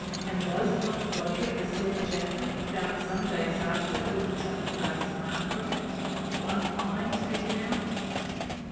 And was not the body of the said Jackey found some days after with the Taniwha's mark on it, one eye taken out?"